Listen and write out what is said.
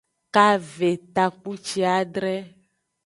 Kave takpuciadre.